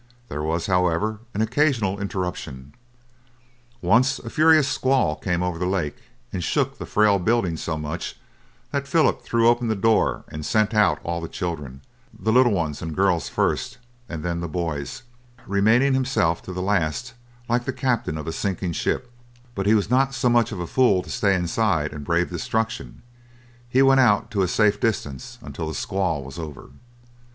There was, however, an occasional interruption. Once a furious squall came over the lake, and shook the frail building so much that Philip threw open the door and sent out all the children, the little ones and girls first, and then the boys, remaining himself to the last like the captain of a sinking ship; but he was not so much of a fool to stay inside and brave destruction; he went out to a safe distance until the squall was over.